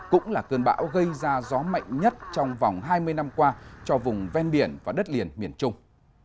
cũng là cơn bão gây ra gió mạnh nhất trong vòng hai mươi năm qua cho vùng ven biển và đất liền miền trung